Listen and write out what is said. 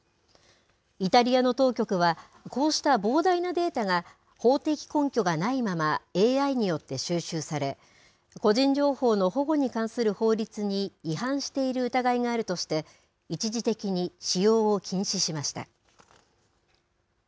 イタリアの当局は、こうした膨大なデータが、法的根拠がないままＡＩによって収集され、個人情報の保護に関する法律に違反している疑いがあるとして、一時的に使用を禁止しました。